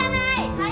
はい！